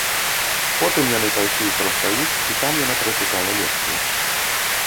Потым яны пайшлі ў прафсаюз, і яна там прачытала лекцыю.